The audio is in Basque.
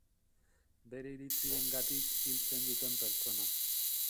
Bere iritziengatik hiltzen duten pertsona.